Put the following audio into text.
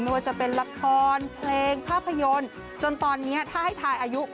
ว่าจะเป็นละครเพลงภาพยนตร์จนตอนนี้ถ้าให้ทายอายุ